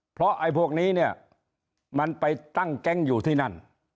เพราะพวกนี้มันไปตั้งแก๊งอยู่ที่นั่น